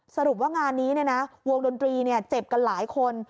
สรุปว่างานนี้เนี่ยนะวงดนตรีเนี่ยเจ็บกันหลายคน